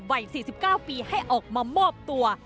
วัย๔๙ปีให้ออกมามอบตัว